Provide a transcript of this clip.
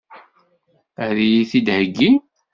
Ad iyi-t-id-heggin?